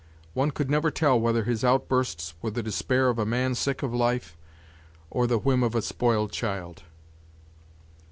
One could never tell whether his outbursts were the despair of a man sick of life, or the whim of a spoiled child.